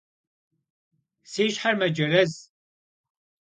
Si şher mecerez.